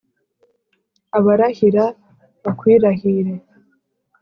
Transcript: abarahira bakwirahire